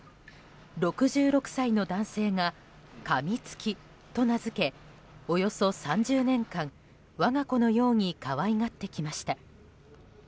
６６歳の男性がカミツキと名付けおよそ３０年間、我が子のように可愛がってきました。